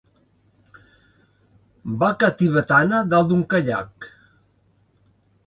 Vaca tibetana dalt d'un caiac.